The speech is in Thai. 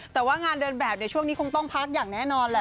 แต่ว่างานเดินแบบในช่วงนี้คงต้องพักอย่างแน่นอนแหละ